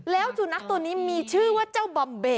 แล้วสุนัขตัวนี้มีชื่อว่าเจ้าบอมเบ